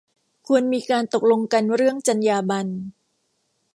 ควรมีการตกลงกันเรื่องจรรยาบรรณ